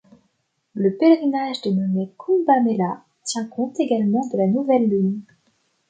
Le pèlerinage dénommé Khumba Mela tient compte également de la nouvelle lune.